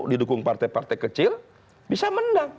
didukung partai partai kecil bisa menang